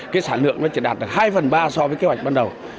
cái sản lượng nó chỉ đạt được hai phần ba so với kế hoạch ban đầu